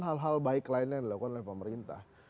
hal hal baik lainnya yang dilakukan oleh pemerintah